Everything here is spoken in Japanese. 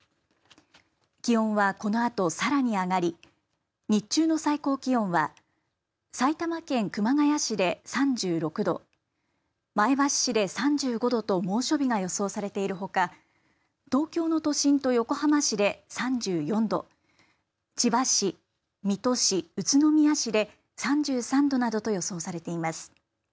気温は、このあとさらに上がり日中の最高気温は埼玉県熊谷市で３６度前橋市で３５度と猛暑日が予想されているほか東京の都心と横浜市で３４度千葉市、水戸市、宇都宮市で３３度などと予想されています。